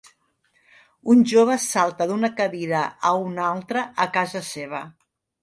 Un jove salta d'una cadira a una altra a casa seva